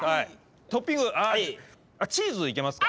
トッピング。あっチーズいけますか？